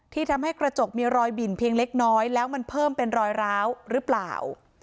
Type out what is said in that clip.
ทำให้กระจกมีรอยบิ่นเพียงเล็กน้อยแล้วมันเพิ่มเป็นรอยร้าวหรือเปล่า